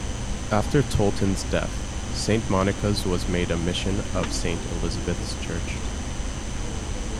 After Tolton's death, Saint Monica's was made a mission of Saint Elizabeth's Church.